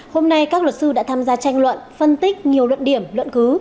hôm nay các luật sư đã tham gia tranh luận phân tích nhiều luận điểm luận cứ